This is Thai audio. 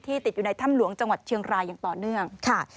ติดอยู่ในถ้ำหลวงจังหวัดเชียงรายอย่างต่อเนื่องค่ะ